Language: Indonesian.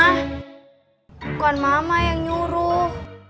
bukan mama yang nyuruh